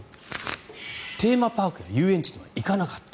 テーマパークや遊園地には行かなかった。